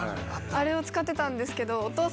あれを使ってたんですけど。